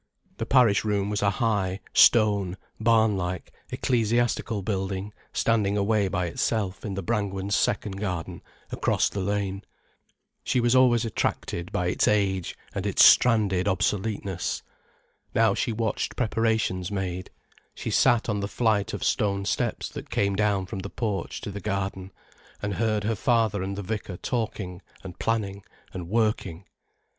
The parish room was a high, stone, barn like, ecclesiastical building standing away by itself in the Brangwens' second garden, across the lane. She was always attracted by its age and its stranded obsoleteness. Now she watched preparations made, she sat on the flight of stone steps that came down from the porch to the garden, and heard her father and the vicar talking and planning and working.